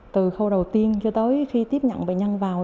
từ khâu đầu tiên cho tới khi tiếp nhận bệnh nhân vào